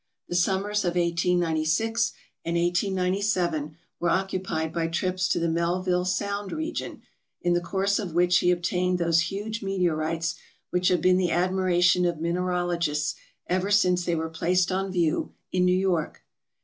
The summers of 1896 and 1897 were occupied by 462 TRAVELERS AND EXPLORERS trips to the Melville Sound region, in the course of which he obtained those huge meteorites which have been the admiration of mineralogists ever since they were placed on view in New York.